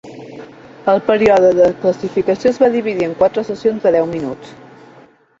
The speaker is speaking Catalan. El període de classificació es va dividir en quatre sessions de deu minuts.